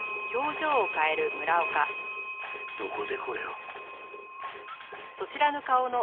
どこでこれを？